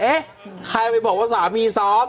ใครไปบอกว่าสามีซ้อม